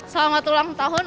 selamat ulang tahun